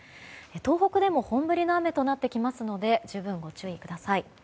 東北でも本降りの雨となってきますので十分にご注意ください。